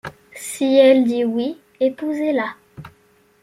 Si elle dit oui, épousez-la.